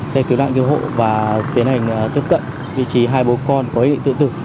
xe cứu đoạn cứu hộ và tiến hành tiếp cận vị trí hai bố con có ý định tự tử